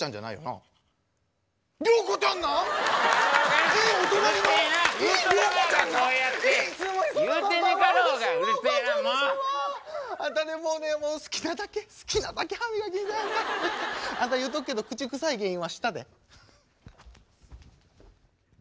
あんた言うとくけど口臭い原因は舌で。